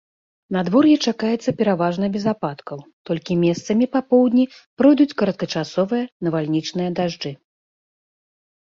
Надвор'е чакаецца пераважна без ападкаў, толькі месцамі па поўдні пройдуць кароткачасовыя навальнічныя дажджы.